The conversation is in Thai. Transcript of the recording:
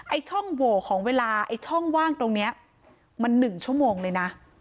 ช่องโหวของเวลาไอ้ช่องว่างตรงนี้มัน๑ชั่วโมงเลยนะ